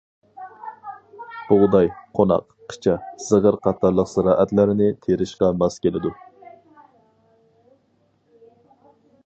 بۇغداي، قوناق، قىچا، زىغىر قاتارلىق زىرائەتلەرنى تېرىشقا ماس كېلىدۇ.